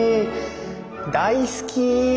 大好き！